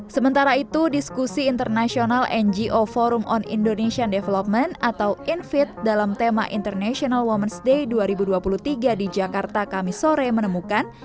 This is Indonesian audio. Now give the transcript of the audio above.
sementara itu diskusi internasional ngo forum on indonesian development atau infid dalam tema international ⁇ womens ⁇ day dua ribu dua puluh tiga di jakarta kami sore menemukan